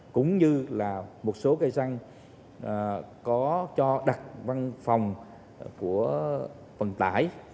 cũng như là một số cây xăng có cho đặt văn phòng của phần tải